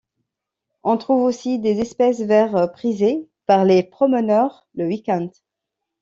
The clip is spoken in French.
On trouve aussi des espaces verts, prisés par les promeneurs le week-end.